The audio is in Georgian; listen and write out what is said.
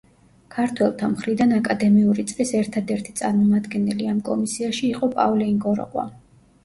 ქართველთა მხრიდან აკადემიური წრის ერთადერთი წარმომადგენელი ამ კომისიაში იყო პავლე ინგოროყვა.